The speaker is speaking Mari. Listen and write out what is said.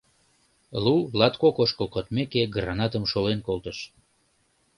Лу-латкок ошкыл кодмеке, гранатым шолен колтыш.